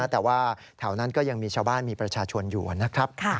แต่ว่าแถวนั้นก็ยังมีชาวบ้านมีประชาชนอยู่นะครับ